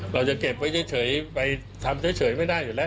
เราจะเก็บไว้เฉยไปทำเฉยไม่ได้อยู่แล้ว